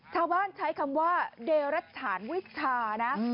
ชาวบ้านใช้คำว่าเดรัสฉานวิชชานะ